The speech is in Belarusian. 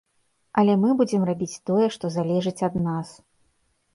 Але мы будзем рабіць тое, што залежыць ад нас.